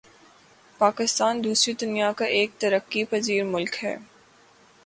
پاکستان دوسری دنیا کا ایک ترقی پزیر ملک ہے